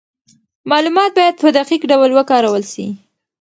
معلومات باید په دقیق ډول وکارول سي.